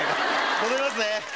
戻りますね。